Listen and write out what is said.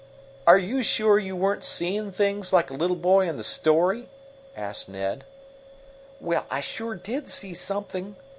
"Are you sure you weren't 'seeing things,' like the little boy in the story?" asked Ned. "Well, I sure did see something!"